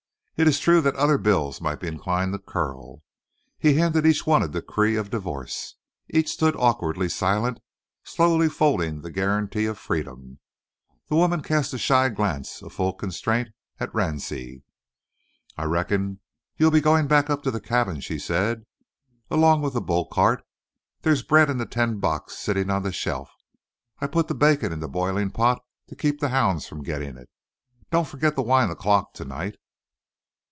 It is true that other bills might be inclined to curl. He handed each one a decree of divorce. Each stood awkwardly silent, slowly folding the guarantee of freedom. The woman cast a shy glance full of constraint at Ransie. "I reckon you'll be goin' back up to the cabin," she said, along 'ith the bull cart. There's bread in the tin box settin' on the shelf. I put the bacon in the b'ilin' pot to keep the hounds from gittin' it. Don't forget to wind the clock to night."